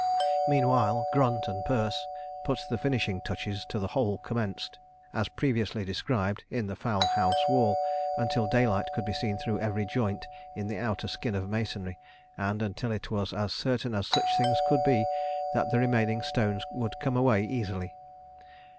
Meanwhile, Grunt and Perce put the finishing touches to the hole commenced, as previously described, in the fowl house wall, until daylight could be seen through every joint in the outer skin of masonry, and until it was as certain as such things could be that the remaining stones would come away easily.